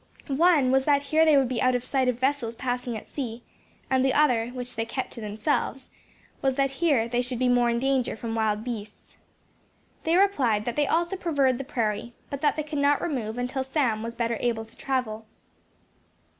One was that here they would be out of sight of vessels passing at sea; and the other (which they kept to themselves) was that here they should be more in danger from wild beasts. They replied that they also preferred the prairie, but that they could not remove until Sam was better able to travel.